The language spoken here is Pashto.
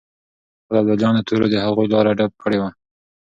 خو د ابدالیانو تورو د هغوی لاره ډب کړې وه.